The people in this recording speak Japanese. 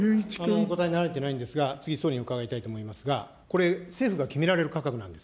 お答えになられてないんですが、次、総理に伺いたいと思いますが、これ、政府が決められる価格なんです。